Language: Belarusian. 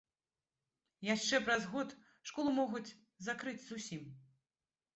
Яшчэ праз год школу могуць закрыць зусім.